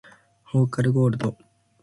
フォーカスゴールド